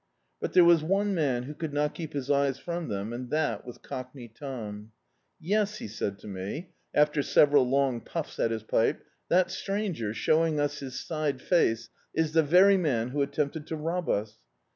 But there was one man who could not keep his eyes from them, and that was Cockney Tom. "Yes," he said to me after sev eral long puffs at his pipe, "that stranger, showing us his side face, is the very man who attempted to rob us."